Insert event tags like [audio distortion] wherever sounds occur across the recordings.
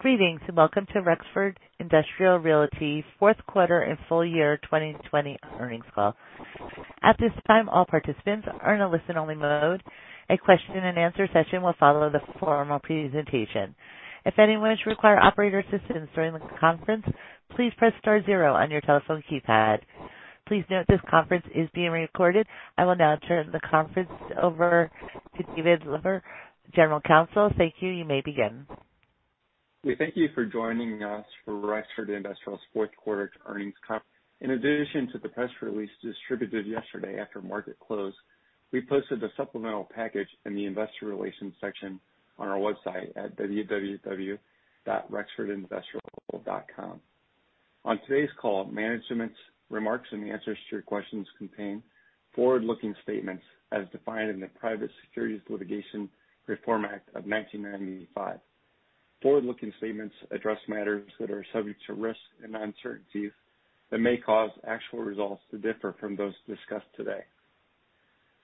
Greetings, and welcome to Rexford Industrial Realty Fourth Quarter and Full Year 2020 Earnings Call. At this time, all participants are in a listen-only mode. A question-and-answer session will follow the formal presentation. If anyone should require operator assistance during this conference, please press star zero on your telephone keypad. Please note this conference is being recorded. I will now turn the conference over to David Lanzer, General Counsel. Thank you. You may begin. We thank you for joining us for Rexford Industrial's fourth quarter earnings call. In addition to the press release distributed yesterday after market close, we posted the supplemental package in the investor relations section on our website at www.rexfordindustrial.com. On today's call, management's remarks and the answers to your questions contain forward-looking statements as defined in the Private Securities Litigation Reform Act of 1995. Forward-looking statements address matters that are subject to risks and uncertainties that may cause actual results to differ from those discussed today.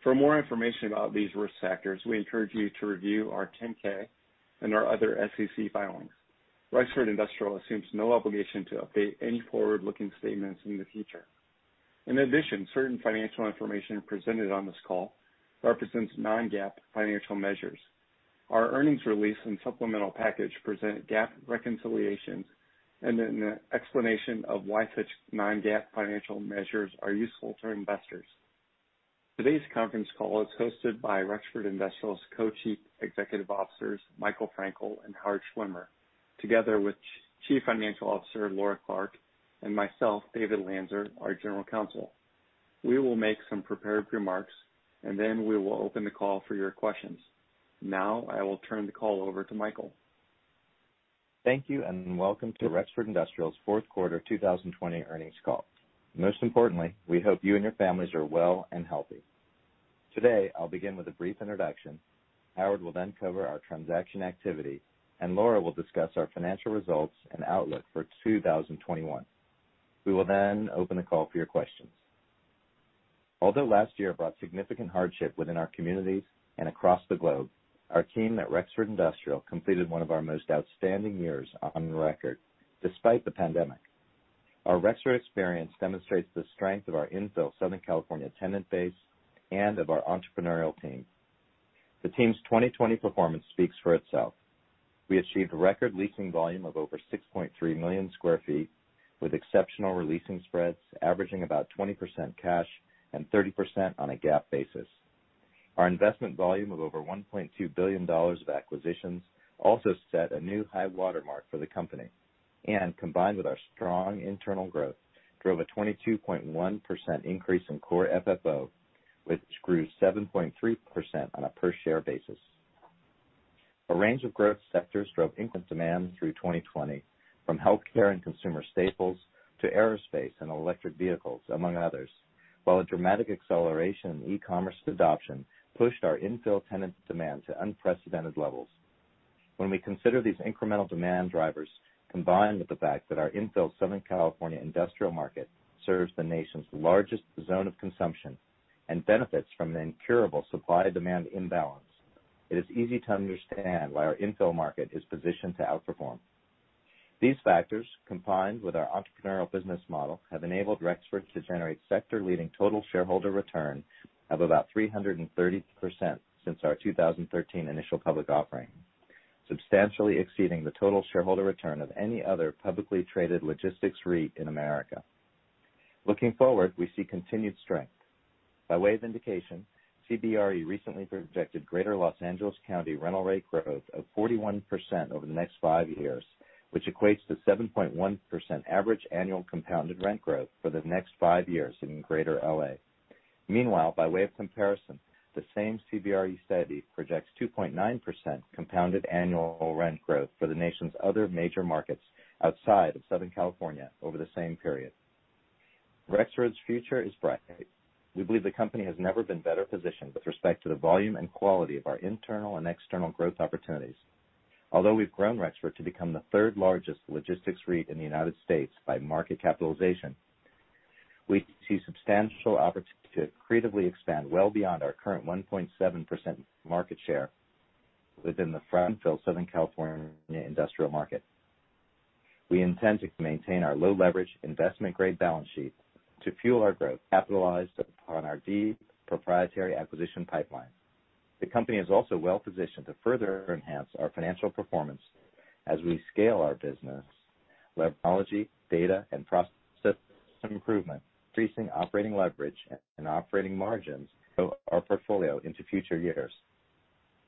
For more information about these risk factors, we encourage you to review our 10-K and our other SEC filings. Rexford Industrial assumes no obligation to update any forward-looking statements in the future. In addition, certain financial information presented on this call represents non-GAAP financial measures. Our earnings release and supplemental package present GAAP reconciliations and an explanation of why such non-GAAP financial measures are useful to investors. Today's conference call is hosted by Rexford Industrial's Co-Chief Executive Officers, Michael Frankel and Howard Schwimmer, together with Chief Financial Officer, Laura Clark, and myself, David Lanzer, our General Counsel. We will make some prepared remarks, and then we will open the call for your questions. Now, I will turn the call over to Michael. Thank you, and welcome to Rexford Industrial's fourth quarter 2020 earnings call. Most importantly, we hope you and your families are well and healthy. Today, I'll begin with a brief introduction. Howard will then cover our transaction activity, and Laura will discuss our financial results and outlook for 2021. We will then open the call for your questions. Although last year brought significant hardship within our communities and across the globe, our team at Rexford Industrial completed one of our most outstanding years on record, despite the pandemic. Our Rexford experience demonstrates the strength of our infill Southern California tenant base and of our entrepreneurial team. The team's 2020 performance speaks for itself. We achieved a record leasing volume of over 6.3 million square feet, with exceptional releasing spreads averaging about 20% cash and 30% on a GAAP basis. Our investment volume of over $1.2 billion of acquisitions also set a new high watermark for the company, and combined with our strong internal growth, drove a 22.1% increase in core FFO, which grew 7.3% on a per share basis. A range of growth sectors drove incremental demand through 2020, from healthcare and consumer staples to aerospace and electric vehicles, among others. While a dramatic acceleration in e-commerce adoption pushed our infill tenant demand to unprecedented levels. When we consider these incremental demand drivers, combined with the fact that our infill Southern California industrial market serves the nation's largest zone of consumption and benefits from an incurable supply-demand imbalance, it is easy to understand why our infill market is positioned to outperform. These factors, combined with our entrepreneurial business model, have enabled Rexford to generate sector leading total shareholder return of about 330% since our 2013 initial public offering, substantially exceeding the total shareholder return of any other publicly traded logistics REIT in America. Looking forward, we see continued strength. By way of indication, CBRE recently projected Greater Los Angeles County rental rate growth of 41% over the next five years, which equates to 7.1% average annual compounded rent growth for the next five years in Greater L.A. Meanwhile, by way of comparison, the same CBRE study projects 2.9% compounded annual rent growth for the nation's other major markets outside of Southern California over the same period. Rexford's future is bright. We believe the company has never been better positioned with respect to the volume and quality of our internal and external growth opportunities. Although we've grown Rexford to become the third largest logistics REIT in the U.S. by market capitalization, we see substantial opportunity to creatively expand well beyond our current 1.7% market share within the [front infill] Southern California industrial market. We intend to maintain our low leverage investment grade balance sheet to fuel our growth, capitalize upon our deep proprietary acquisition pipeline. The company is also well positioned to further enhance our financial performance as we scale our business. Technology, data, and process improvement, increasing operating leverage and operating margins grow our portfolio into future years.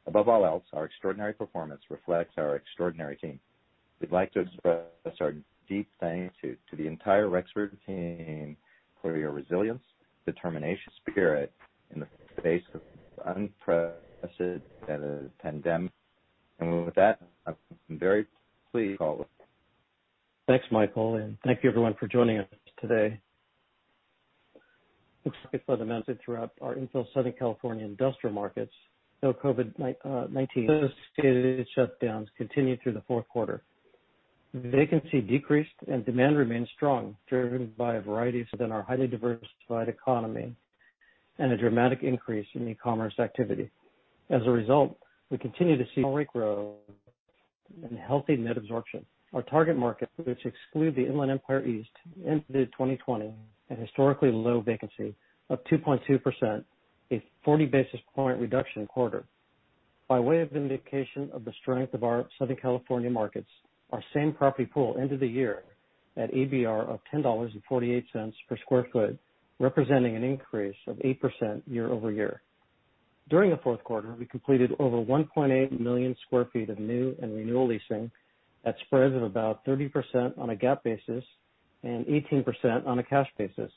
Above all else, our extraordinary performance reflects our extraordinary team. We'd like to express our deep thanks to the entire Rexford team for your resilience, determination, spirit in the face of unprecedented pandemic. With that, I'm very pleased to call on Howard. Thanks, Michael, thank you everyone for joining us today. Looks like for the most throughout our infill Southern California industrial markets, though COVID-19 shutdowns continued through the fourth quarter. Vacancy decreased and demand remained strong, [driven by a variety within] our highly diversified economy and a dramatic increase in e-commerce activity. As a result, we continue to see organic growth and healthy net absorption. Our target market, which exclude the Inland Empire East, ended 2020 at historically low vacancy of 2.2%, a 40 basis point reduction quarter. By way of indication of the strength of our Southern California markets, our same property pool ended the year at ABR of $10.48 per square foot, representing an increase of 8% year-over-year. During the fourth quarter, we completed over 1.8 million square feet of new and renewal leasing at spreads of about 30% on a GAAP basis and 18% on a cash basis.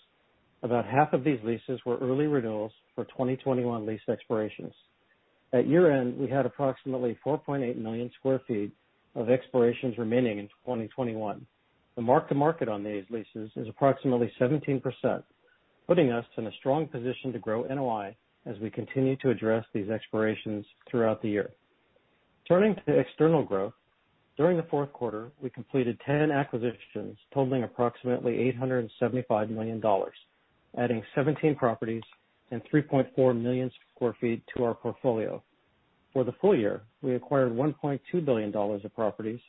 About 1/2 of these leases were early renewals for 2021 lease expirations. At year-end, we had approximately 4.8 million square feet of expirations remaining in 2021. The mark to market on these leases is approximately 17%, putting us in a strong position to grow NOI as we continue to address these expirations throughout the year. Turning to the external growth, during the fourth quarter, we completed 10 acquisitions totaling approximately $875 million, adding 17 properties and 3.4 million square feet to our portfolio. For the full year, we acquired $1.2 billion of properties,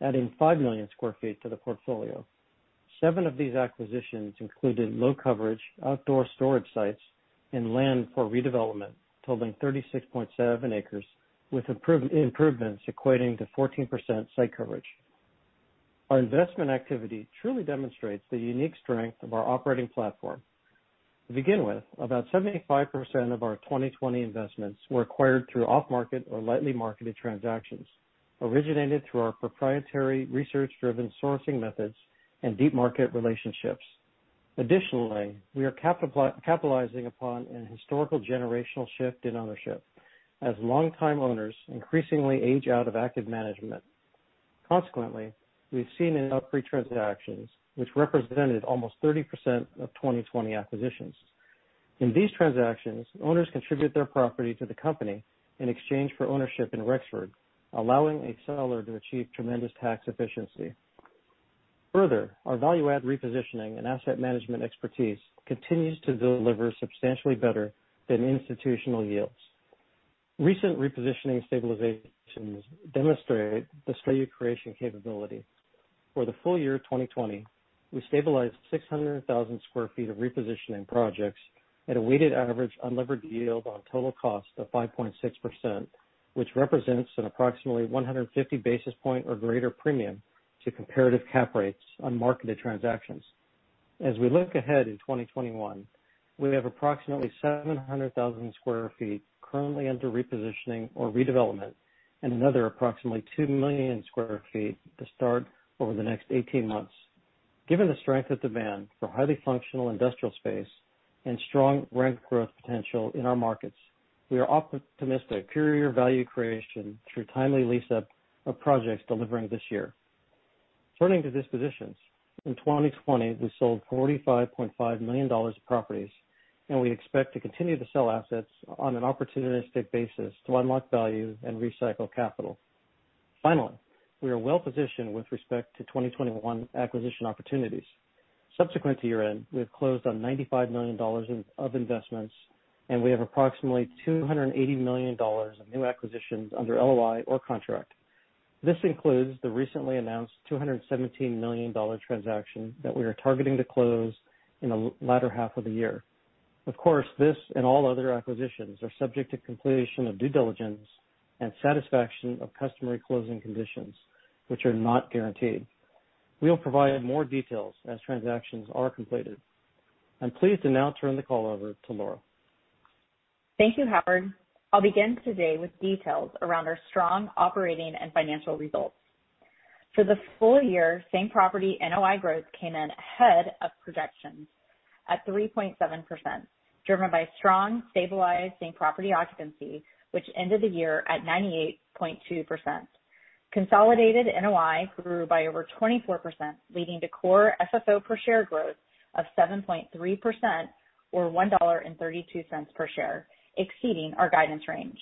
adding 5 million square feet to the portfolio. Seven of these acquisitions included low coverage, outdoor storage sites and land for redevelopment totaling 36.7 acres, with improvements equating to 14% site coverage. Our investment activity truly demonstrates the unique strength of our operating platform. To begin with, about 75% of our 2020 investments were acquired through off-market or lightly marketed transactions, originated through our proprietary research-driven sourcing methods and deep market relationships. Additionally, we are capitalizing upon an historical generational shift in ownership as longtime owners increasingly age out of active management. Consequently, we've [seen an UPREIT transactions], which represented almost 30% of 2020 acquisitions. In these transactions, owners contribute their property to the company in exchange for ownership in Rexford, allowing a seller to achieve tremendous tax efficiency. Further, our value add repositioning and asset management expertise continues to deliver substantially better than institutional yields. Recent repositioning stabilizations demonstrate the value creation capability. For the full year 2020, we stabilized 600,000 square feet of repositioning projects at a weighted average unlevered yield on total cost of 5.6%, which represents an approximately 150 basis point or greater premium to comparative cap rates on marketed transactions. We look ahead in 2021; we have approximately 700,000 sq ft currently under repositioning or redevelopment and another approximately 2 million square feet to start over the next 18 months. Given the strength of demand for highly functional industrial space and strong rent growth potential in our markets, we are optimistic superior value creation through timely lease up of projects delivering this year. Turning to dispositions, in 2020, we sold $45.5 million of properties, and we expect to continue to sell assets on an opportunistic basis to unlock value and recycle capital. Finally, we are well positioned with respect to 2021 acquisition opportunities. Subsequent to year-end, we have closed on $95 million of investments, and we have approximately $280 million of new acquisitions under LOI or contract. This includes the recently announced $217 million transaction that we are targeting to close in the latter half of the year. Of course, this and all other acquisitions are subject to completion of due diligence and satisfaction of customary closing conditions, which are not guaranteed. We'll provide more details as transactions are completed. I'm pleased to now turn the call over to Laura. Thank you, Howard. I'll begin today with details around our strong operating and financial results. For the full year, same property NOI growth came in ahead of projections at 3.7%, driven by strong stabilized same property occupancy, which ended the year at 98.2%. Consolidated NOI grew by over 24%, leading to core FFO per share growth of 7.3% or $1.32 per share, exceeding our guidance range.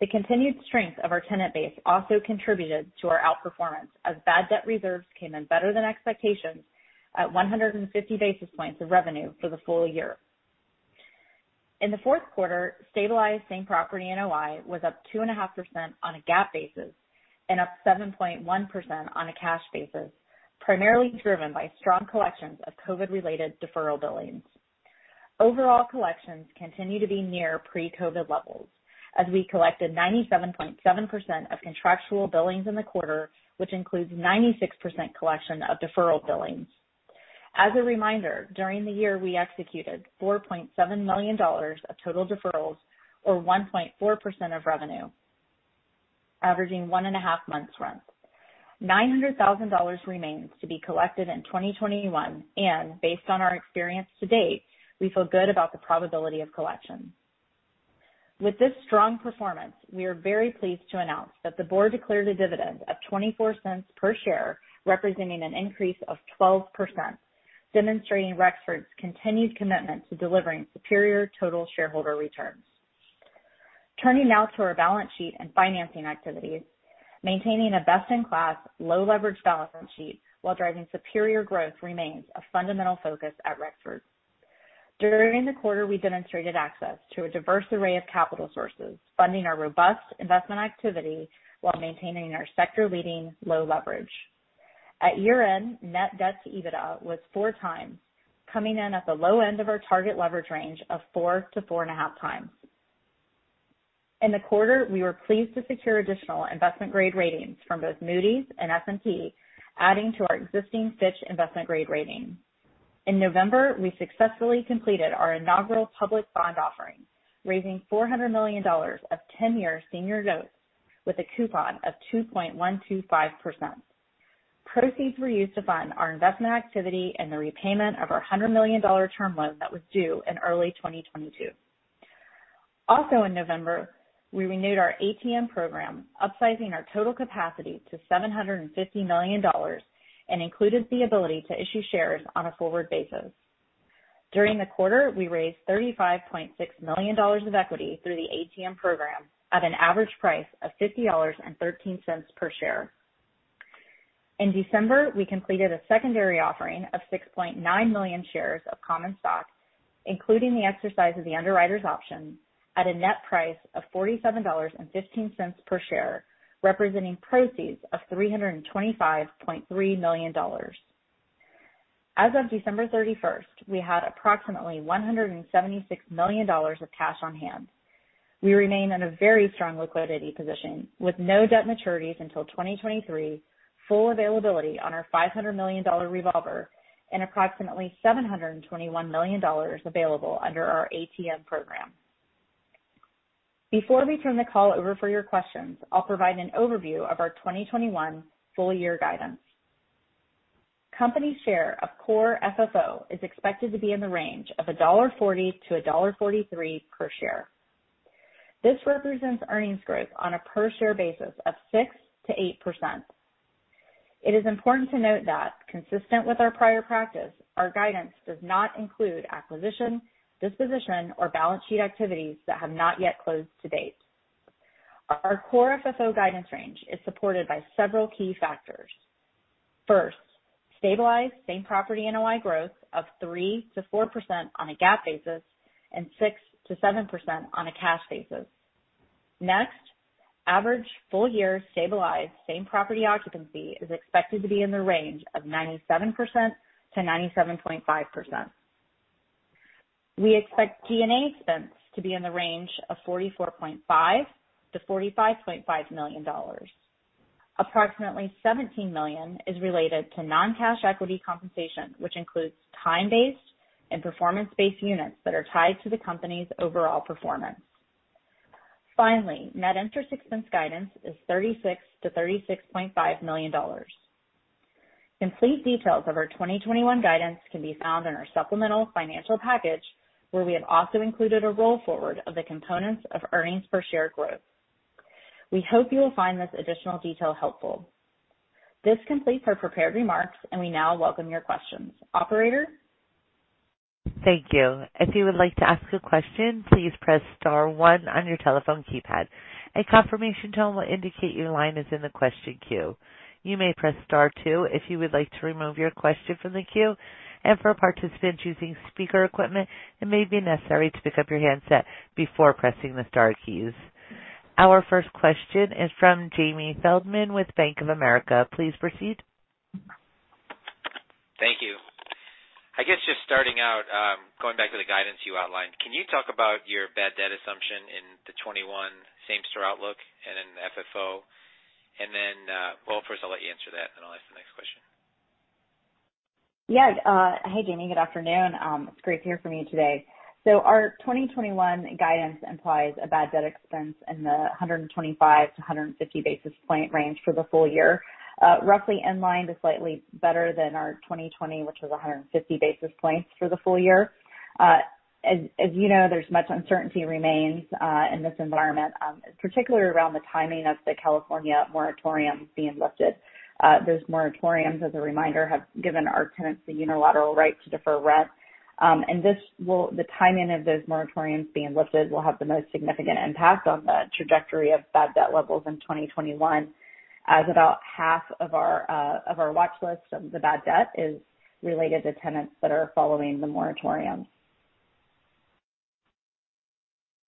The continued strength of our tenant base also contributed to our outperformance as bad debt reserves came in better than expectations at 150 basis points of revenue for the full year. In the fourth quarter, stabilized same property NOI was up 2.5% on a GAAP basis and up 7.1% on a cash basis, primarily driven by strong collections of COVID related deferral billings. Overall collections continue to be near pre-COVID levels as we collected 97.7% of contractual billings in the quarter, which includes 96% collection of deferral billings. As a reminder, during the year, we executed $4.7 million of total deferrals or 1.4% of revenue, averaging 1.5 months' rent. $900,000 remains to be collected in 2021, and based on our experience to date, we feel good about the probability of collection. With this strong performance, we are very pleased to announce that the board declared a dividend of $0.24 per share, representing an increase of 12%, demonstrating Rexford's continued commitment to delivering superior total shareholder returns. Turning now to our balance sheet and financing activities. Maintaining a best-in-class low leverage balance sheet while driving superior growth remains a fundamental focus at Rexford. During the quarter, we demonstrated access to a diverse array of capital sources, funding our robust investment activity while maintaining our sector leading low leverage. At year-end, net debt to EBITDA was 4x, coming in at the low end of our target leverage range of 4x-4.5x. In the quarter, we were pleased to secure additional investment-grade ratings from both Moody's and S&P, adding to our existing Fitch investment grade rating. In November, we successfully completed our inaugural public bond offering, raising $400 million of 10-year senior notes with a coupon of 2.125%. Proceeds were used to fund our investment activity and the repayment of our $100 million term loan that was due in early 2022. Also in November, we renewed our ATM program, upsizing our total capacity to $750 million and included the ability to issue shares on a forward basis. During the quarter, we raised $35.6 million of equity through the ATM program at an average price of $50.13 per share. In December, we completed a secondary offering of 6.9 million shares of common stock, including the exercise of the underwriter's option at a net price of $47.15 per share, representing proceeds of $325.3 million. As of December 31st, we had approximately $176 million of cash on hand. We remain in a very strong liquidity position with no debt maturities until 2023, full availability on our $500 million revolver, and approximately $721 million available under our ATM program. Before we turn the call over for your questions, I'll provide an overview of our 2021 full year guidance. Company share of core FFO is expected to be in the range of $1.40-$1.43 per share. This represents earnings growth on a per share basis of 6%-8%. It is important to note that consistent with our prior practice, our guidance does not include acquisition, disposition, or balance sheet activities that have not yet closed to date. Our core FFO guidance range is supported by several key factors. First, stabilized same property NOI growth of 3%-4% on a GAAP basis and 6%-7% on a cash basis. Next, average full year stabilized same property occupancy is expected to be in the range of 97%-97.5%. We expect G&A expense to be in the range of $44.5 million-$45.5 million. Approximately $17 million is related to non-cash equity compensation, which includes time-based and performance-based units that are tied to the company's overall performance. Finally, net interest expense guidance is $36 million-$36.5 million. Complete details of our 2021 guidance can be found in our supplemental financial package, where we have also included a roll forward of the components of earnings per share growth. We hope you will find this additional detail helpful. This completes our prepared remarks, and we now welcome your questions. Operator? Thank you. If you would like to ask a question, please press star one on your telephone keypad. A confirmation tone will indicate your line is in the question queue. You may press star two if you would like to remove your question from the queue. And for participants using speaker equipment, it may be necessary to pick up your handset before pressing the star keys. Our first question is from Jamie Feldman with Bank of America. Please proceed. Thank you. I guess just starting out, going back to the guidance you outlined, can you talk about your bad debt assumption in the 2021 same store outlook and in the FFO? Well, first I'll let you answer that, then I'll ask the next question. Yeah. Hey Jamie, good afternoon. It's great to hear from you today. Our 2021 guidance implies a bad debt expense in the 125-150 basis point range for the full year. Roughly in line to slightly better than our 2020, which was 150 basis points for the full year. As you know, there's much uncertainty remains in this environment, particularly around the timing of the California moratoriums being lifted. Those moratoriums, as a reminder, have given our tenants the unilateral right to defer rent. The timing of those moratoriums being lifted will have the most significant impact on the trajectory of bad debt levels in 2021, as about 1/2 of our watch list of the bad debt is related to tenants that are following the moratorium.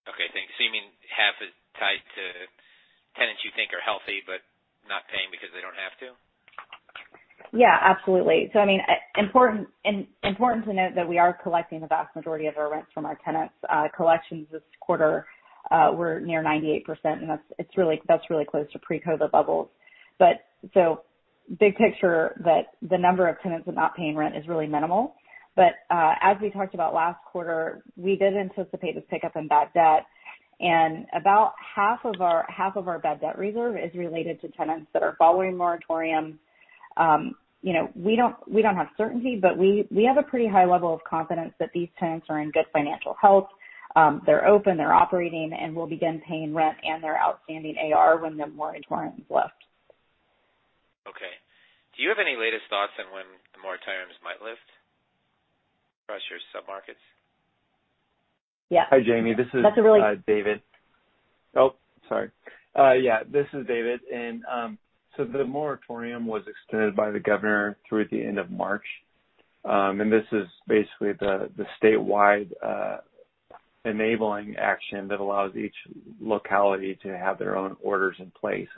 Okay, thanks. You mean 1/2 is tied to tenants you think are healthy but not paying because they don't have to? Yeah, absolutely. Important to note that we are collecting the vast majority of our rents from our tenants. Collections this quarter were near 98%, and that's really close to pre-COVID levels. Big picture that the number of tenants not paying rent is really minimal. As we talked about last quarter, we did anticipate a pickup in bad debt and about 1/2 of our bad debt reserve is related to tenants that are following moratorium. We don't have certainty, but we have a pretty high level of confidence that these tenants are in good financial health. They're open, they're operating, and will begin paying rent and their outstanding AR when the moratoriums lift. Do you have any latest thoughts on when the moratoriums might lift across your sub-markets? Yeah. Hi, Jamie. This is- That's a really- David. Oh, sorry. Yeah, this is David. The moratorium was extended by the governor through the end of March. This is basically the statewide enabling action that allows each locality to have their own orders in place.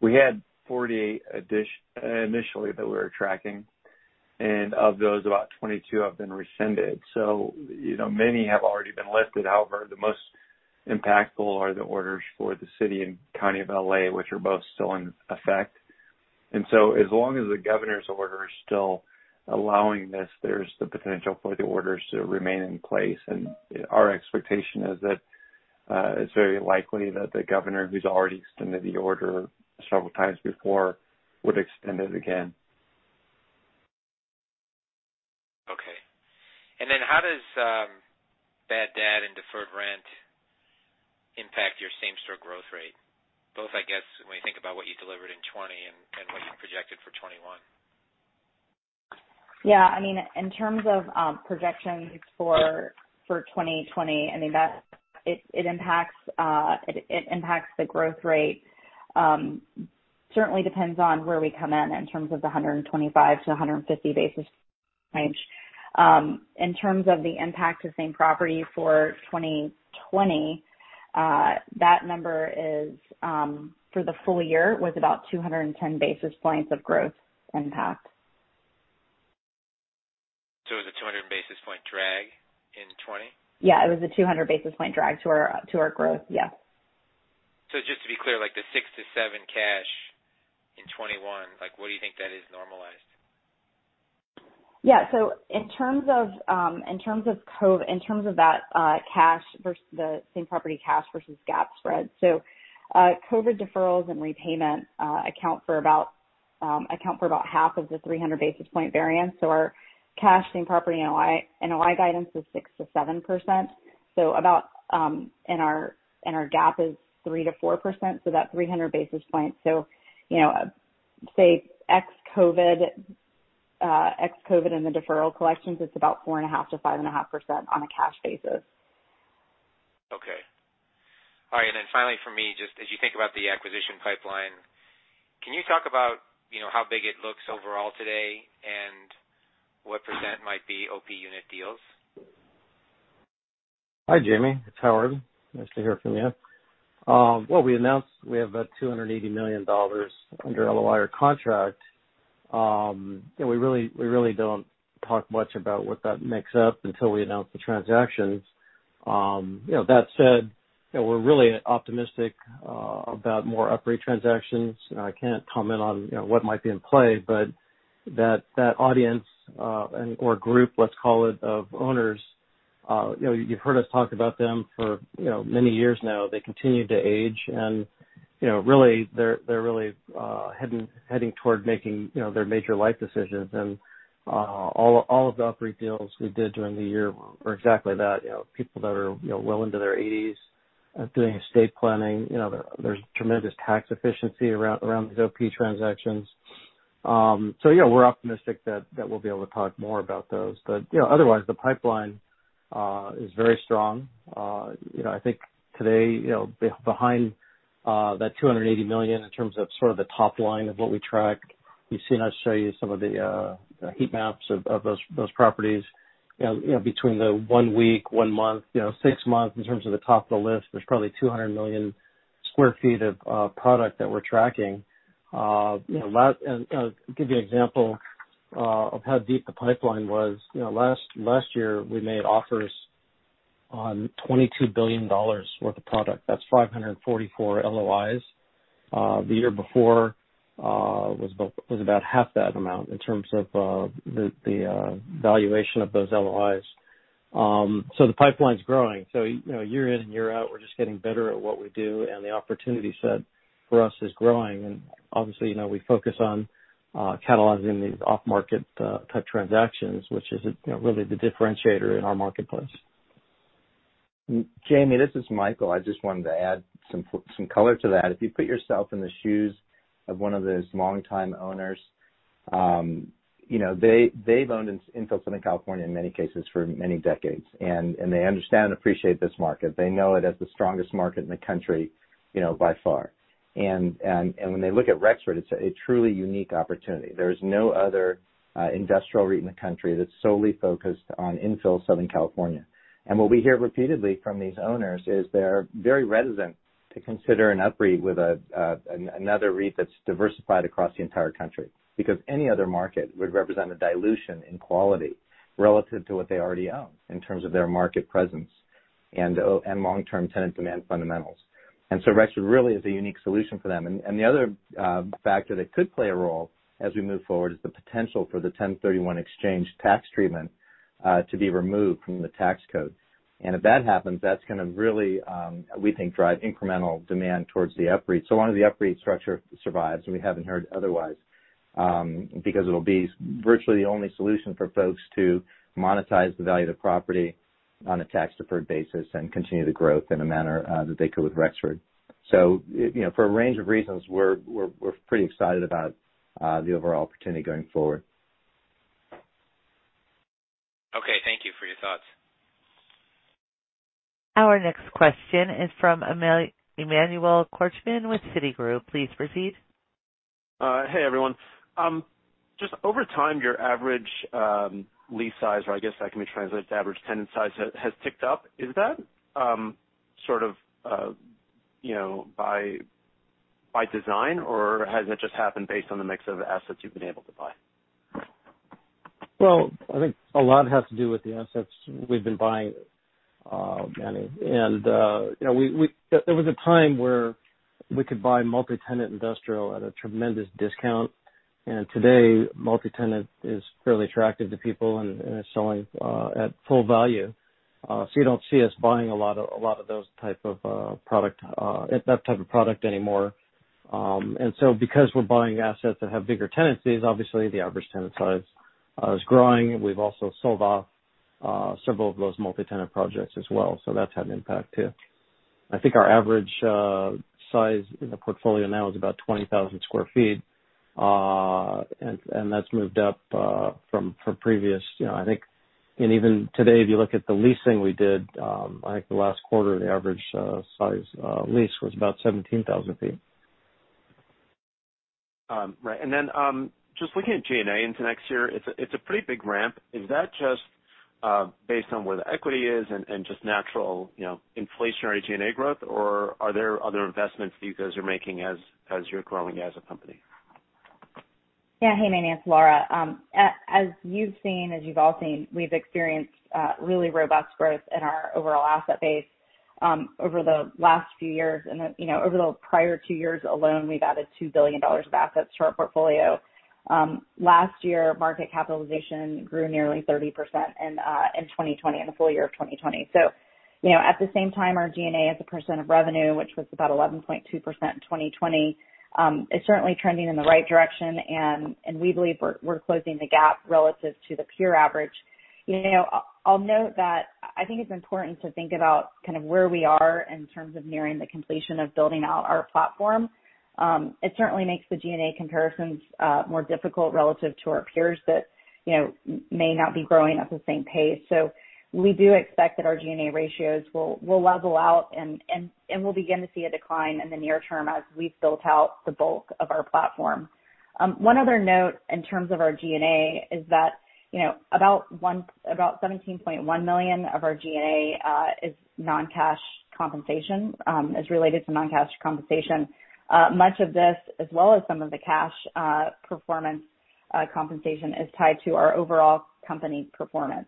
We had 48 initially that we were tracking, and of those, about 22 have been rescinded. Many have already been lifted. However, the most impactful are the orders for the city and county of L.A., which are both still in effect. As long as the governor's order is still allowing this, there's the potential for the orders to remain in place. Our expectation is that, it's very likely that the governor, who's already extended the order several times before, would extend it again. Okay. How does bad debt and deferred rent impact your same-store growth rate, both, I guess, when we think about what you delivered in 2020 and what you projected for 2021? Yeah. In terms of projections for 2020, it impacts the growth rate. Certainly depends on where we come in terms of the 125-150 basis range. In terms of the impact to same property for 2020, that number for the full year was about 210 basis points of growth impact. It was a 200 basis point drag in 2020? Yeah, it was a 200 basis point drag to our growth. Yeah. Just to be clear, like the $6-$7 cash in 2021, like what do you think that is normalized? Yeah. In terms of that same property cash versus GAAP spread, COVID deferrals and repayment account for about half of the 300 basis point variance. Our cash same property NOI guidance is 6%-7%. Our GAAP is 3%-4%, that's 300 basis points. Say ex-COVID and the deferral collections, it's about 4.5%-5.5% on a cash basis. Okay. All right. Finally, from me, just as you think about the acquisition pipeline, can you talk about how big it looks overall today and what percent might be OP unit deals? Hi, Jamie. It's Howard. Nice to hear from you. Well, we announced we have about $280 million under LOI or contract. We really don't talk much about what that makes up until we announce the transactions. That said, we're really optimistic about more UPREIT transactions. I can't comment on what might be in play, but that audience, or group, let's call it, of owners, you've heard us talk about them for many years now. They continue to age and they're really heading toward making their major life decisions. All of the UPREIT deals we did during the year were exactly that. People that are well into their 80s, doing estate planning. There's tremendous tax efficiency around these OP transactions. Yeah, we're optimistic that we'll be able to talk more about those. Otherwise, the pipeline is very strong. I think today, behind that $280 million in terms of sort of the top line of what we tracked, you've seen us show you some of the heat maps of those properties between the one week, one month, six months. In terms of the top of the list, there's probably 200 million square feet of product that we're tracking. I'll give you an example of how deep the pipeline was. Last year, we made offers on $22 billion worth of product. That's 544 LOIs. The year before was about 1/2 that amount in terms of the valuation of those LOIs. The pipeline's growing. Year in and year out, we're just getting better at what we do, and the opportunity set for us is growing. Obviously, we focus on cataloging these off-market type transactions, which is really the differentiator in our marketplace. Jamie, this is Michael. I just wanted to add some color to that. If you put yourself in the shoes of one of those longtime owners, they've owned in Southern California, in many cases, for many decades, and they understand and appreciate this market. They know it as the strongest market in the country by far. When they look at Rexford, it's a truly unique opportunity. There is no other industrial REIT in the country that's solely focused on infill Southern California. What we hear repeatedly from these owners is they're very reticent to consider an UPREIT with another REIT that's diversified across the entire country because any other market would represent a dilution in quality relative to what they already own in terms of their market presence and long-term tenant demand fundamentals. Rexford really is a unique solution for them. The other factor that could play a role as we move forward is the potential for the 1031 exchange tax treatment to be removed from the tax code. If that happens, that's going to really, we think, drive incremental demand towards the UPREIT. Long as the UPREIT structure survives, and we haven't heard otherwise, because it'll be virtually the only solution for folks to monetize the value of the property on a tax-deferred basis and continue the growth in a manner that they could with Rexford. For a range of reasons, we're pretty excited about the overall opportunity going forward. Okay. Thank you for your thoughts. Our next question is from Emmanuel Korchman with Citigroup. Please proceed. Hey, everyone. Just over time, your average lease size, or I guess that can be translated to average tenant size, has ticked up. Is that sort of by design, or has it just happened based on the mix of assets you've been able to buy? Well, I think a lot has to do with the assets we've been buying, Manny. There was a time where we could buy multi-tenant industrial at a tremendous discount, and today, multi-tenant is fairly attractive to people and is selling at full value. You don't see us buying a lot of those type of product anymore. Because we're buying assets that have bigger tenancies, obviously the average tenant size is growing. We've also sold off several of those multi-tenant projects as well, so that's had an impact too. I think our average size in the portfolio now is about 20,000 square feet, and that's moved up from previous. I think, and even today, if you look at the leasing we did, I think the last quarter, the average size lease was about 17,000 ft. Right. And then, just looking at G&A into next year, it's a pretty big ramp. Is that just based on where the equity is and just natural inflationary G&A growth, or are there other investments that you guys are making as you're growing as a company? Yeah. Hey, Manny, it's Laura. As you've all seen, we've experienced really robust growth in our overall asset base over the last few years. Over the prior two years alone, we've added $2 billion of assets to our portfolio. Last year, market capitalization grew nearly 30% in 2020, in the full year of 2020. At the same time, our G&A as a percent of revenue, which was about 11.2% in 2020, is certainly trending in the right direction, and we believe we're closing the gap relative to the peer average. I'll note that I think it's important to think about kind of where we are in terms of nearing the completion of building out our platform. It certainly makes the G&A comparisons more difficult relative to our peers that may not be growing at the same pace. We do expect that our G&A ratios will level out, and we'll begin to see a decline in the near term as we've built out the bulk of our platform. One other note in terms of our G&A is that about $17.1 million of our G&A is non-cash compensation, is related to non-cash compensation. Much of this, as well as some of the cash performance compensation, is tied to our overall company performance.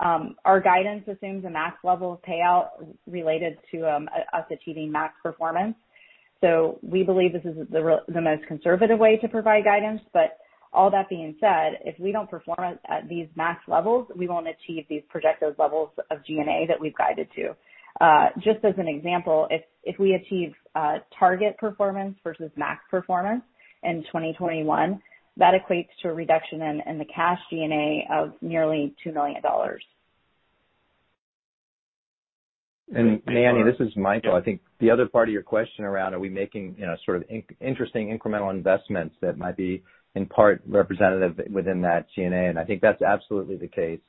Our guidance assumes a max level of payout related to us achieving max performance. We believe this is the most conservative way to provide guidance. All that being said, if we don't perform at these max levels, we won't achieve these projected levels of G&A that we've guided to. Just as an example, if we achieve target performance versus max performance in 2021, that equates to a reduction in the cash G&A of nearly $2 million. Manny, this is Michael. I think the other part of your question around are we making sort of interesting incremental investments that might be in part representative within that G&A, and I think that's absolutely the case.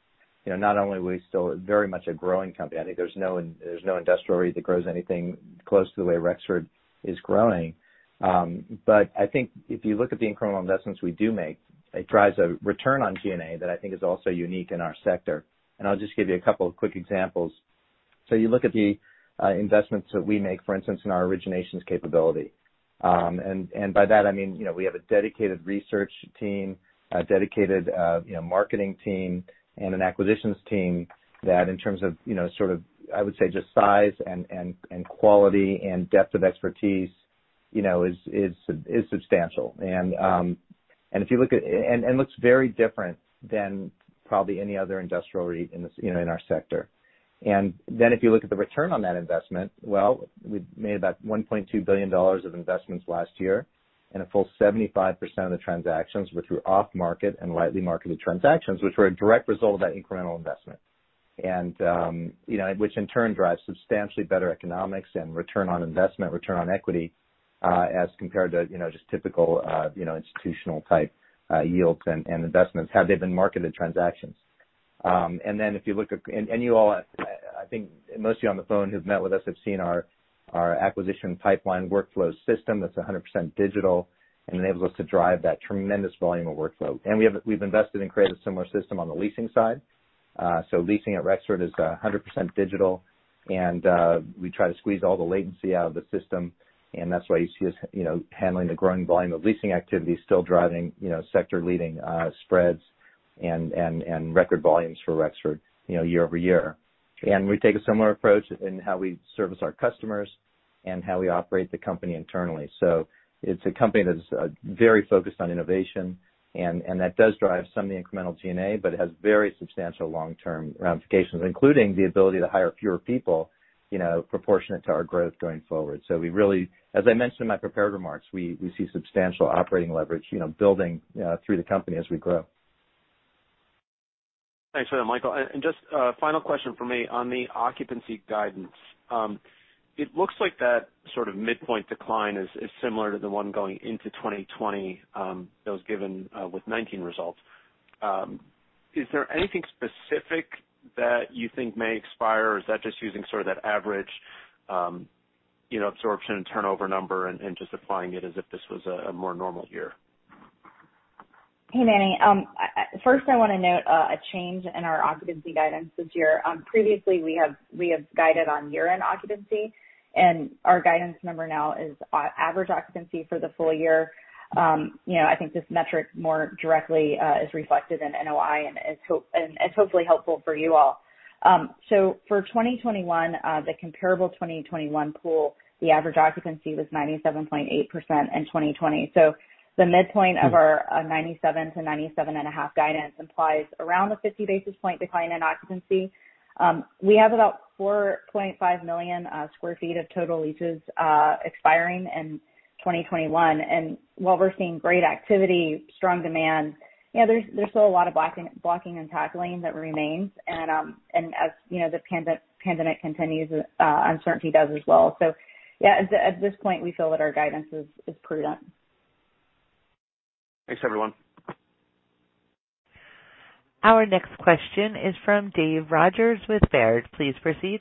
Not only are we still very much a growing company, I think there's no industrial REIT that grows anything close to the way Rexford is growing. I think if you look at the incremental investments we do make, it drives a return on G&A that I think is also unique in our sector. I'll just give you a couple of quick examples. You look at the investments that we make, for instance, in our originations capability. By that I mean, we have a dedicated research team, a dedicated marketing team, and an acquisitions team that in terms of sort of, I would say, just size and quality and depth of expertise is substantial. Looks very different than probably any other industrial REIT in our sector. If you look at the return on that investment, well, we've made about $1.2 billion of investments last year, and a full 75% of the transactions were through off-market and lightly marketed transactions, which were a direct result of that incremental investment. Which in turn drives substantially better economics and return on investment, return on equity, as compared to just typical institutional type yields and investments, had they been marketed transactions. And then if you look [audio distortion] I think most of you on the phone who've met with us have seen our acquisition pipeline workflow system that's 100% digital and enables us to drive that tremendous volume of workflow. We've invested and created a similar system on the leasing side. Leasing at Rexford is 100% digital, and we try to squeeze all the latency out of the system, and that's why you see us handling the growing volume of leasing activity, still driving sector-leading spreads and record volumes for Rexford year-over-year. We take a similar approach in how we service our customers and how we operate the company internally. It's a company that's very focused on innovation, and that does drive some of the incremental G&A, but it has very substantial long-term ramifications, including the ability to hire fewer people proportionate to our growth going forward. We really, as I mentioned in my prepared remarks, we see substantial operating leverage building through the company as we grow. Thanks for that, Michael. Just a final question from me. On the occupancy guidance, it looks like that sort of midpoint decline is similar to the one going into 2020 that was given with 2019 results. Is there anything specific that you think may expire, or is that just using sort of that average absorption and turnover number and just applying it as if this was a more normal year? Hey, Manny. First, I want to note a change in our occupancy guidance this year. Previously, we have guided on year-end occupancy, and our guidance number now is average occupancy for the full year. I think this metric more directly is reflected in NOI and is hopefully helpful for you all. For 2021, the comparable 2021 pool, the average occupancy was 97.8% in 2020. The midpoint of our 97% to 97.5% guidance implies around a 50-basis point decline in occupancy. We have about 4.5 million square feet of total leases expiring in 2021. While we're seeing great activity, strong demand, there's still a lot of blocking and tackling that remains. As the pandemic continues, uncertainty does as well. At this point, we feel that our guidance is prudent. Thanks, everyone. Our next question is from Dave Rogers with Baird. Please proceed.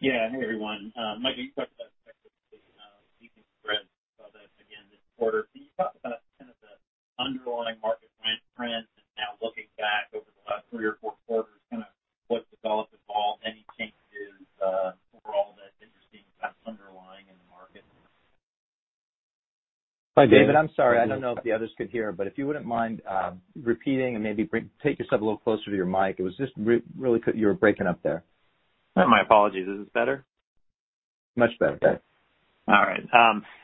Yeah. Hey, everyone. Mike, you talked about again this quarter. Can you talk about kind of the underlying market rent trends and now looking back over the last three or four quarters, kind of what's developed involved, any changes overall that you're seeing kind of underlying in the market? Hi, David. I'm sorry. I don't know if the others could hear, but if you wouldn't mind repeating and maybe take yourself a little closer to your mic. It was just really you were breaking up there. My apologies. Is this better? Much better. All right.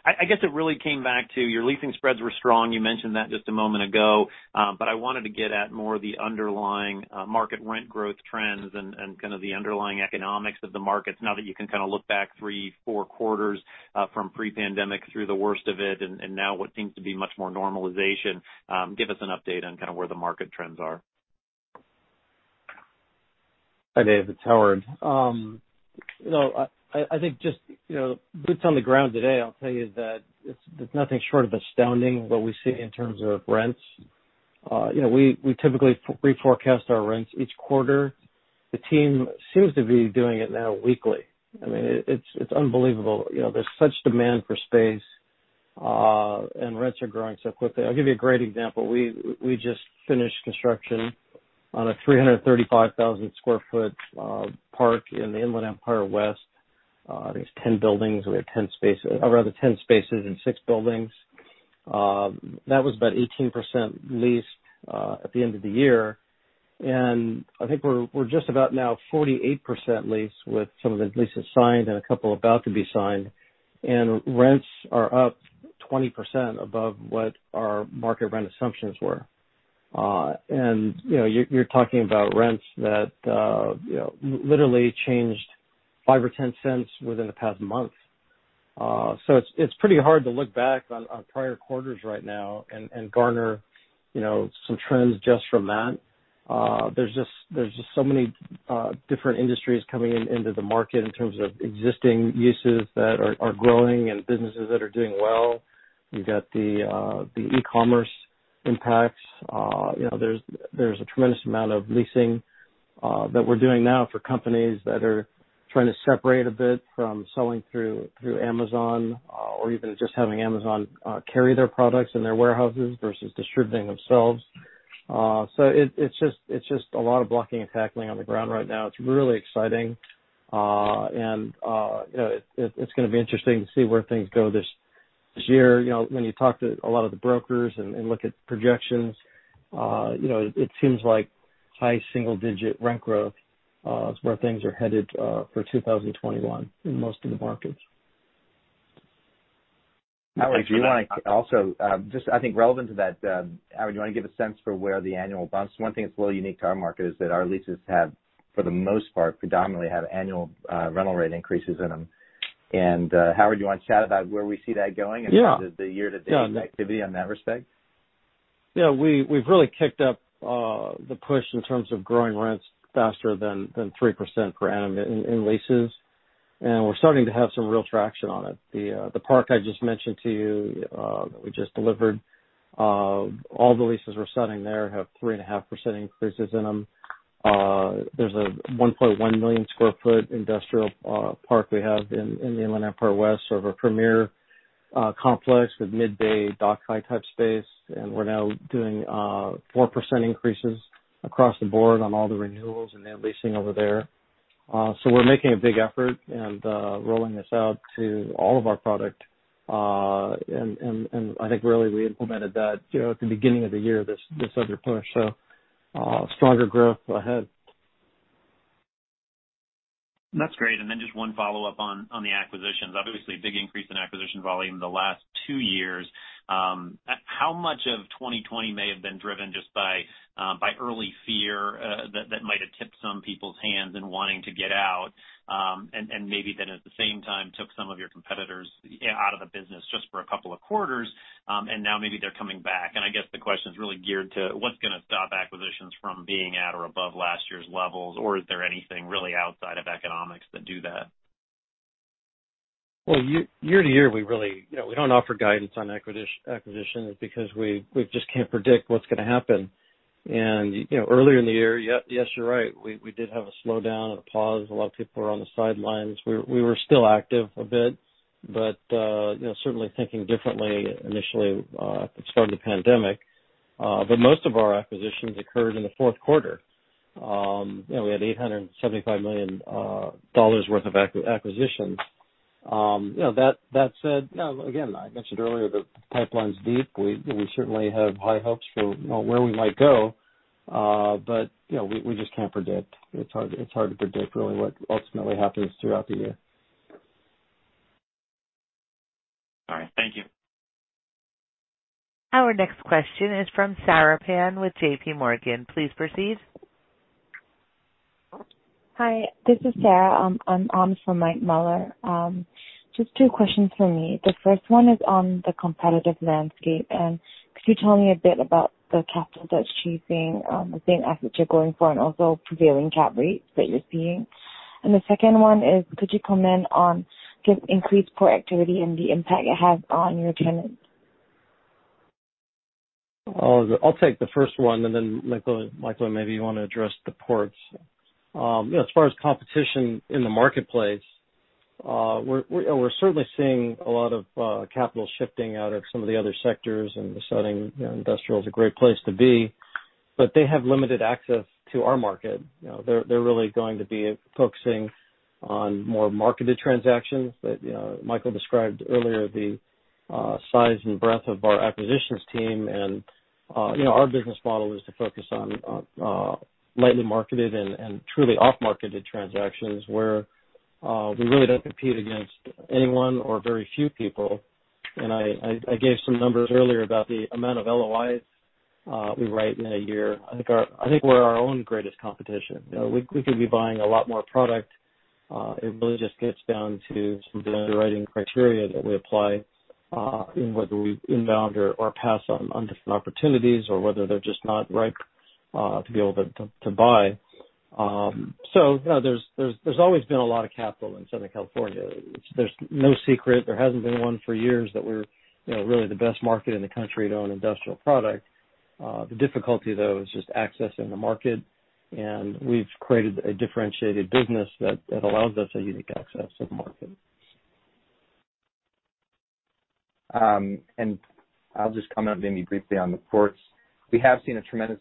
I guess it really came back to your leasing spreads were strong. You mentioned that just a moment ago. I wanted to get at more of the underlying market rent growth trends and kind of the underlying economics of the markets now that you can kind of look back three, four quarters from pre-pandemic through the worst of it and now what seems to be much more normalization. Give us an update on kind of where the market trends are. Hi, Dave. It's Howard. I think just boots on the ground today, I'll tell you that it's nothing short of astounding what we see in terms of rents. We typically reforecast our rents each quarter. The team seems to be doing it now weekly. I mean, it's unbelievable. There's such demand for space, and rents are growing so quickly. I'll give you a great example. We just finished construction on a 335,000 sq ft park in the Inland Empire West. There's 10 buildings. We have 10 spaces, or rather, 10 spaces and six buildings. That was about 18% leased at the end of the year. I think we're just about now 48% leased with some of the leases signed and a couple about to be signed. Rents are up 20% above what our market rent assumptions were. You're talking about rents that literally changed $0.05 or $0.10 within the past month. It's pretty hard to look back on prior quarters right now and garner some trends just from that. There's just so many different industries coming into the market in terms of existing uses that are growing and businesses that are doing well. You've got the e-commerce impacts. There's a tremendous amount of leasing that we're doing now for companies that are trying to separate a bit from selling through Amazon or even just having Amazon carry their products in their warehouses versus distributing themselves. It's just a lot of blocking and tackling on the ground right now. It's really exciting. It's going to be interesting to see where things go this year. When you talk to a lot of the brokers and look at projections, it seems like high single-digit rent growth is where things are headed for 2021 in most of the markets. Howard- If you want to also, just I think relevant to that, Howard, do you want to give a sense for where the annual bumps? One thing that's a little unique to our market is that our leases have, for the most part, predominantly have annual rental rate increases in them. Howard, do you want to chat about where we see that going and kind of the year-to-date activity in that respect? Yeah. We've really kicked up the push in terms of growing rents faster than 3% per annum in leases, and we're starting to have some real traction on it. The park I just mentioned to you that we just delivered, all the leases we're setting there have 3.5% increases in them. There's a 1.1 million square feet industrial park we have in the Inland Empire West. Sort of a premier complex with mid-bay dock high type space. We're now doing 4% increases across the board on all the renewals and the leasing over there. We're making a big effort and rolling this out to all of our product. I think really we implemented that at the beginning of the year, this other push. Stronger growth ahead. That's great. Then just one follow-up on the acquisitions. Obviously, a big increase in acquisition volume the last two years. How much of 2020 may have been driven just by early fear some people's hands and wanting to get out, and maybe then at the same time took some of your competitors out of the business just for a couple of quarters, and now maybe they're coming back. I guess the questions really geared to what's going to stop acquisitions from being at or above last year's levels, or is there anything really outside of economics that do that? Year-to-year, we don't offer guidance on acquisitions because we just can't predict what's going to happen. Earlier in the year, yes, you're right. We did have a slowdown and a pause. A lot of people were on the sidelines. We were still active a bit. Certainly thinking differently initially at the start of the pandemic. Most of our acquisitions occurred in the fourth quarter. We had $875 million worth of acquisitions. That said, again, I mentioned earlier the pipeline's deep. We certainly have high hopes for where we might go. We just can't predict. It's hard to predict really what ultimately happens throughout the year. All right. Thank you. Our next question is from Sarah Pan with JPMorgan. Please proceed. Hi, this is Sarah. I'm on for Michael Mueller. Just two questions from me. The first one is on the competitive landscape. Could you tell me a bit about the capital that you're seeing, the same assets you're going for, and also prevailing cap rates that you're seeing? The second one is, could you comment on just increased port activity and the impact it has on your tenants? I'll take the first one, and then Michael, maybe you want to address the ports. As far as competition in the marketplace, we're certainly seeing a lot of capital shifting out of some of the other sectors into this setting. Industrial's a great place to be. They have limited access to our market. They're really going to be focusing on more marketed transactions. Michael described earlier the size and breadth of our acquisitions team, and our business model is to focus on lightly marketed and truly off-market transactions where we really don't compete against anyone or very few people. I gave some numbers earlier about the amount of LOIs we write in a year. I think we're our own greatest competition. We could be buying a lot more product. It really just gets down to some of the underwriting criteria that we apply in whether we inbound or pass on different opportunities or whether they're just not ripe to be able to buy. There's always been a lot of capital in Southern California. It's no secret. There hasn't been one for years that we're really the best market in the country to own industrial product. The difficulty, though, is just accessing the market, and we've created a differentiated business that allows us a unique access to the market. I'll just comment maybe briefly on the ports. We have seen a tremendous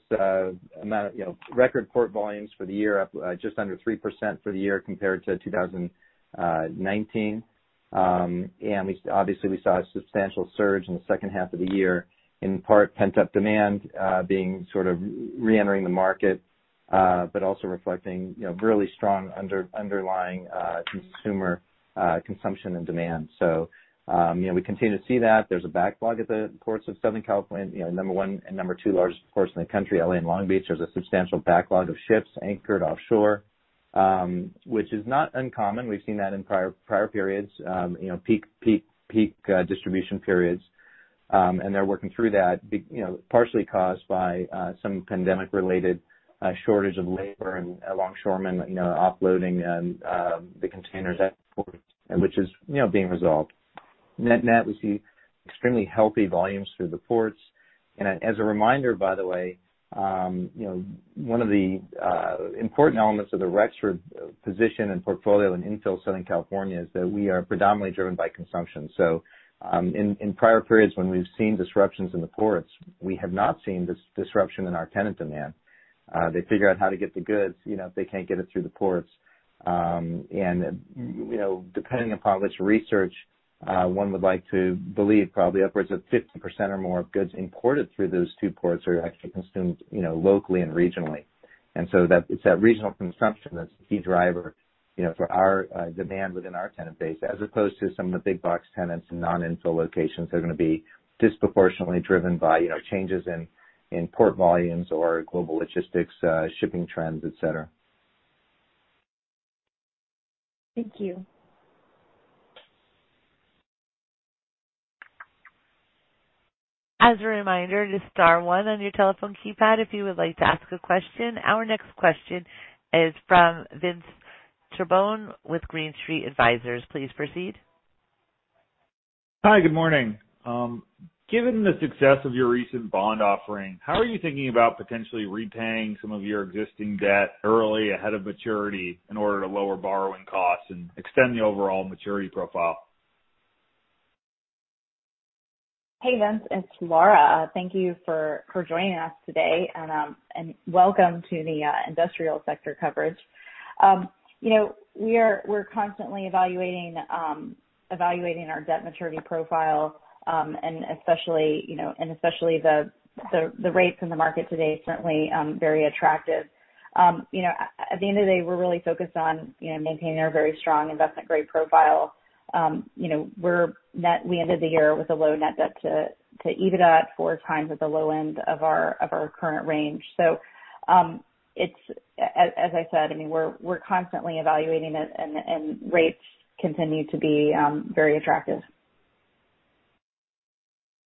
amount of record port volumes for the year, up just under 3% for the year compared to 2019. Obviously, we saw a substantial surge in the second half of the year, in part pent-up demand being sort of reentering the market, but also reflecting really strong underlying consumer consumption and demand. We continue to see that. There's a backlog at the ports of Southern California, the number one and number two largest ports in the country, L.A. and Long Beach. There's a substantial backlog of ships anchored offshore, which is not uncommon. We've seen that in prior periods, peak distribution periods, and they're working through that, partially caused by some pandemic-related shortage of labor and longshoremen offloading the containers at the port, which is being resolved. We see extremely healthy volumes through the ports. As a reminder, by the way, one of the important elements of the Rexford position and portfolio in infill Southern California is that we are predominantly driven by consumption. In prior periods when we've seen disruptions in the ports, we have not seen disruption in our tenant demand. They figure out how to get the goods if they can't get it through the ports. Depending upon which research one would like to believe, probably upwards of 15% or more of goods imported through those two ports are actually consumed locally and regionally. It's that regional consumption that's the key driver for our demand within our tenant base, as opposed to some of the big box tenants in non-infill locations that are going to be disproportionately driven by changes in port volumes or global logistics, shipping trends, et cetera. Thank you. As a reminder, just star one on your telephone keypad if you would like to ask a question. Our next question is from Vince Tibone with Green Street Advisors. Please proceed. Hi, good morning. Given the success of your recent bond offering, how are you thinking about potentially repaying some of your existing debt early ahead of maturity in order to lower borrowing costs and extend the overall maturity profile? Hey, Vince. It's Laura. Thank you for joining us today, and welcome to the industrial sector coverage. We're constantly evaluating our debt maturity profile, and especially the rates in the market today certainly very attractive. At the end of the day, we're really focused on maintaining our very strong investment grade profile. We ended the year with a low net debt to EBITDA at 4x at the low end of our current range. As I said, we're constantly evaluating it, and rates continue to be very attractive.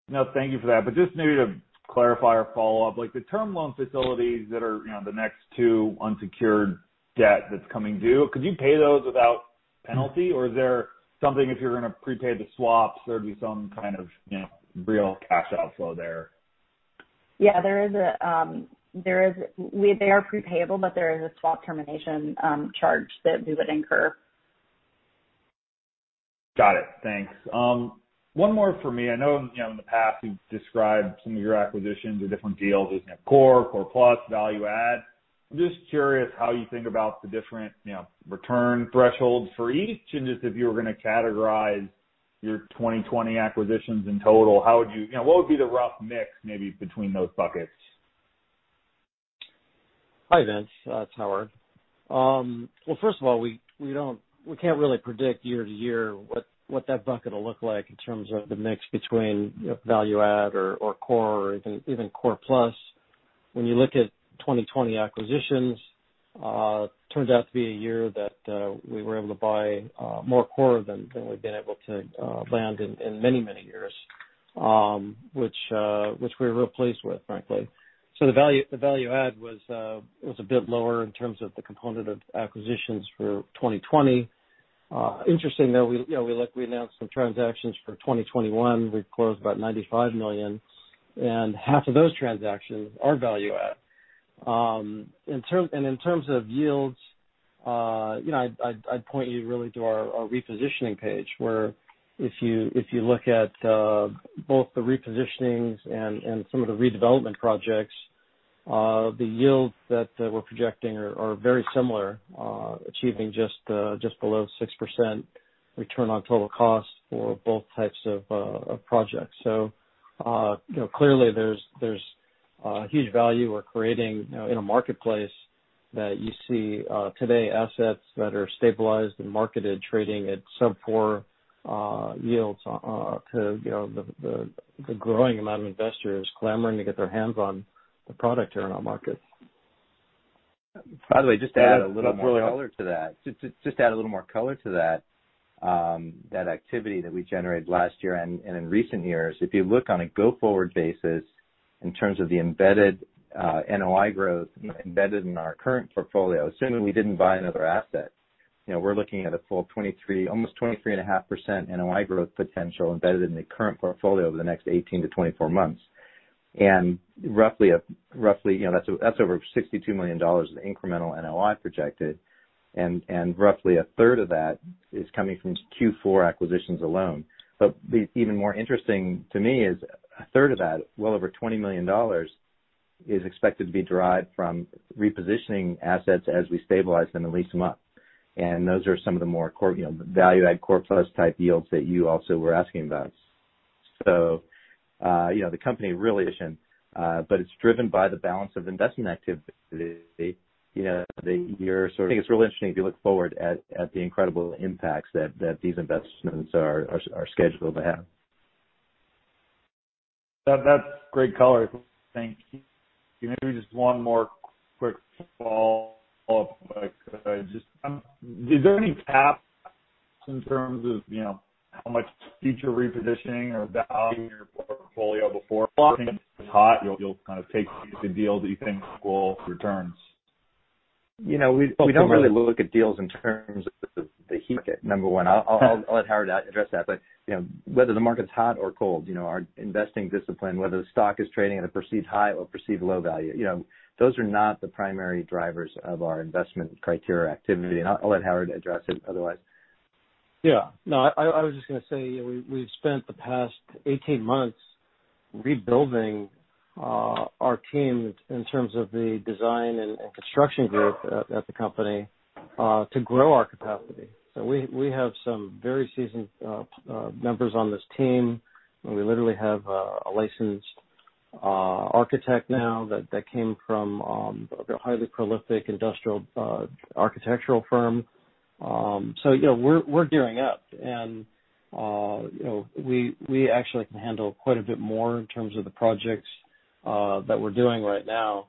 No, thank you for that. Just maybe to clarify or follow up, the term loan facilities that are the next two unsecured debt that's coming due, could you pay those without penalty? Is there something, if you're going to prepay the swaps, there'd be some kind of real cash outflow there? Yeah. They are prepayable, but there is a swap termination charge that we would incur. Got it. Thanks. One more from me. I know in the past you've described some of your acquisitions or different deals as core plus, value add. I'm just curious how you think about the different return thresholds for each. Just if you were going to categorize your 2020 acquisitions in total, what would be the rough mix maybe between those buckets? Hi, Vince. It's Howard. Well, first of all, we can't really predict year to year what that bucket will look like in terms of the mix between value add or core or even core plus. When you look at 2020 acquisitions, it turns out to be a year that we were able to buy more core than we've been able to land in many years, which we're real pleased with, frankly. The value add was a bit lower in terms of the component of acquisitions for 2020. Interesting, though, we announced some transactions for 2021. We closed about $95 million, and 1/2 of those transactions are value add. In terms of yields, I'd point you really to our repositioning page, where if you look at both the repositionings and some of the redevelopment projects, the yields that we're projecting are very similar, achieving just below 6% return on total cost for both types of projects. Clearly, there's huge value we're creating in a marketplace that you see today assets that are stabilized and marketed, trading at sub-four yields to the growing amount of investors clamoring to get their hands on the product here in our markets. By the way, just to add a little more color to that. That activity that we generated last year and in recent years, if you look on a go-forward basis in terms of the embedded NOI growth embedded in our current portfolio, assuming we didn't buy another asset, we're looking at a full almost 23.5% NOI growth potential embedded in the current portfolio over the next 18-24 months. That's over $62 million of incremental NOI projected, and roughly 1/3 of that is coming from Q4 acquisitions alone. Even more interesting to me is 1/3 of that, well over $20 million, is expected to be derived from repositioning assets as we stabilize them and lease them up. Those are some of the more value add, core plus type yields that you also were asking about. It's driven by the balance of investment activity. I think it's real interesting if you look forward at the incredible impacts that these investments are scheduled to have. That's great color. Thank you. Maybe just one more quick follow-up. Is there any caps in terms of how much future repositioning or [valuing] your portfolio before the market is hot, you'll kind of take the deals that you think will return? We don't really look at deals in terms of the heat, number one. I'll let Howard address that. Whether the market's hot or cold, our investing discipline, whether the stock is trading at a perceived high or perceived low value, those are not the primary drivers of our investment criteria activity. I'll let Howard address it otherwise. Yeah. No, I was just going to say, we've spent the past 18 months rebuilding our team in terms of the design and construction group at the company to grow our capacity. We have some very seasoned members on this team, and we literally have a licensed architect now that came from a highly prolific industrial architectural firm. We're gearing up, and we actually can handle quite a bit more in terms of the projects that we're doing right now.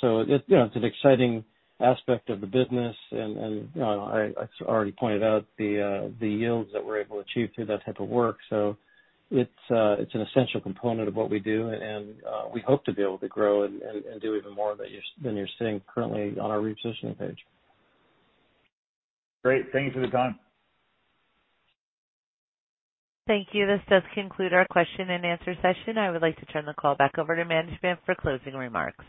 It's an exciting aspect of the business, and I already pointed out the yields that we're able to achieve through that type of work. It's an essential component of what we do, and we hope to be able to grow and do even more than you're seeing currently on our repositioning page. Great. Thanks a ton. Thank you. This does conclude our question and answer session. I would like to turn the call back over to management for closing remarks.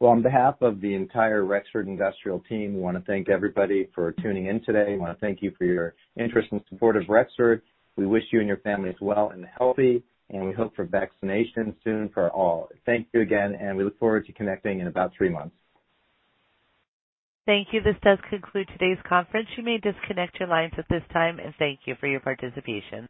Well, on behalf of the entire Rexford Industrial team, we want to thank everybody for tuning in today. We want to thank you for your interest and support of Rexford. We wish you and your families well and healthy, and we hope for vaccination soon for all. Thank you again, and we look forward to connecting in about three months. Thank you. This does conclude today's conference. You may disconnect your lines at this time, and thank you for your participation.